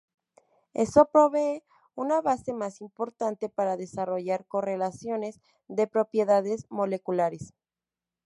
Eso provee una base más importante para desarrollar correlaciones de propiedades moleculares.